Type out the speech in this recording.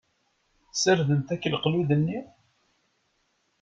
Sardent akk leqlud-nni?